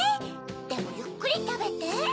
でもゆっくりたべて。